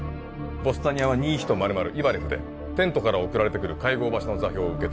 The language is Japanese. ヴォスタニアはニーヒトマルマルイバレフでテントから送られてくる会合場所の座標を受け取り